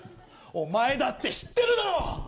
お前だって知ってるだろ